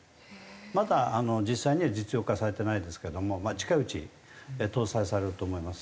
まだ実際には実用化されてないですけども近いうち搭載されると思います。